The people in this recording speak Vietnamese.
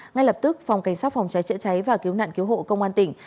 ngay lập tức phòng cảnh sát phòng trái trợ cháy và cứu nạn cứu hộ công an tỉnh